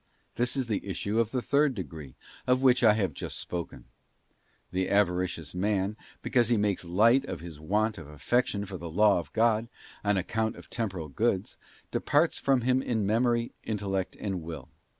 This is the issue of the third degree, of which I have just spoken. The avaricious man, because he makes light of his want of affection for the Law of God, on account of temporal goods, departs from Him in Memory, Intellect, and Will.